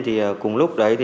thì cùng lúc đấy thì